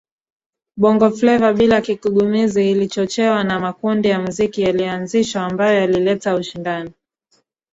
Bongofleva bila kigugumizi ilichochewa na makundi ya muziki yaliyoanzishwa ambayo yalileta ushindani